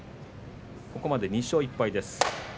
ここまで２勝１敗です。